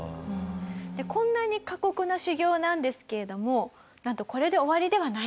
でこんなに過酷な修行なんですけれどもなんとこれで終わりではない。